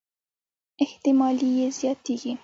احتمالي یې زياتېږي.